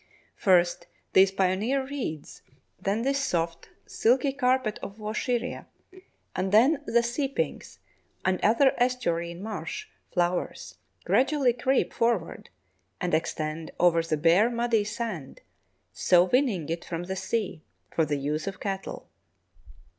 First these pioneer reeds, then this soft, silky carpet of vaucheria, and then the sea pinks and other estuarine marsh flowers gradually creep forward and extend over the bare muddy sand, so winning it from the sea for the use of cattle.